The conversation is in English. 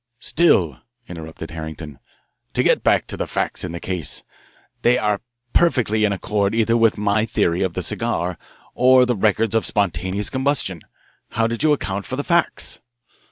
"Still," interrupted Harrington, "to get back to the facts in the case. They are perfectly in accord either with my theory of the cigar or the Record's of spontaneous combustion. How do you account for the facts?"